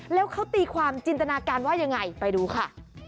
แล้วเขาตีความจินตนาการว่ายังไงไปดูค่ะ